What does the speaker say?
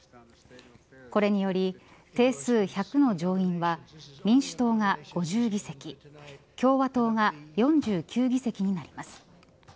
これにより定数１００の上院は民主党が５０議席共和党が４９議席になります。